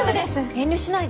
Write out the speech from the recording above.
遠慮しないで。